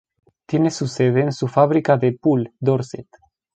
Tiene su sede en su fábrica de Poole, Dorset.